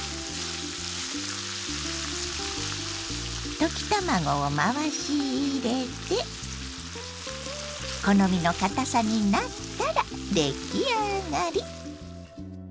溶き卵を回し入れて好みのかたさになったら出来上がり！